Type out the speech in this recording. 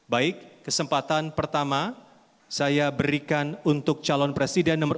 baik kesempatan pertama saya berikan untuk calon presiden nomor satu